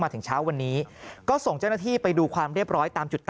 ถึงเช้าวันนี้ก็ส่งเจ้าหน้าที่ไปดูความเรียบร้อยตามจุด๙